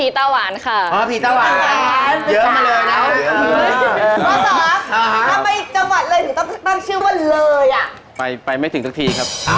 ด้านหมายเลขเหนือครับ